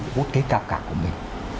với quốc tế cao cả của mình